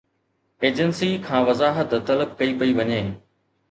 Agency کان وضاحت طلب ڪئي پئي وڃي.